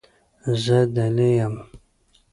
زه دلې یم.